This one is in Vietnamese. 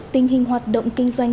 tình hình hoạt động kinh doanh